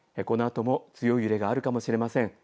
このあとも強い揺れがあるかもしれません。